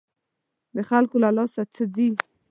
د خلکو له لاسه څه ځي.